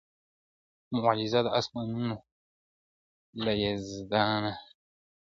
معجزه د اسمانونو له یزدانه تر انسان یم -